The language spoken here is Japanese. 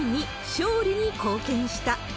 勝利に貢献した。